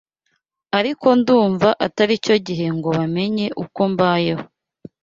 Ariko ndumva atari cyo gihe ngo bamenye uko mbayeho.